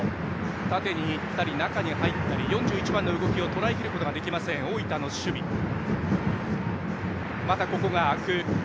縦に行ったり中に入ったり４１番の動きをとらえきれない大分の守備です。